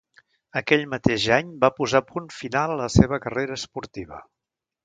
Aquell mateix any va posar punt final a la seva carrera esportiva.